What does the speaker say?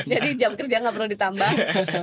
jadi jam kerja gak perlu ditambah